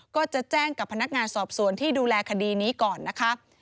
ก็จะแจ้งกับพนักงานสอบสวนที่ดูแลคดีนี้ก่อนนะคะ